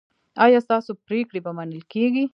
ایا ستاسو پریکړې به منل کیږي؟